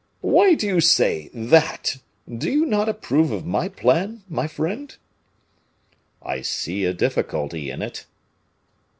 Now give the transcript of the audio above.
"Why do you say 'that'? Do you not approve of my plan, my friend?" "I see a difficulty in it."